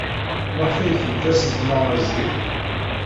Maɣef ay tedda seg tmeɣra zik?